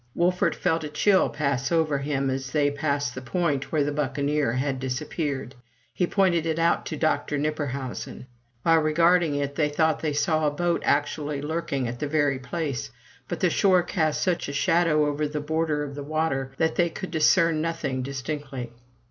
Wolfert felt a chill pass over him as they passed the point where the buccaneer had disappeared. He pointed it out to Dr. Knipperhausen. While regarding it, they thought they saw a boat actually lurking at the very place; but the shore cast such a shadow over the border of the water that they could discern nothing distinctly.